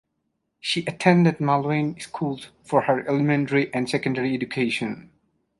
She attended Malawian schools for her elementary and secondary education.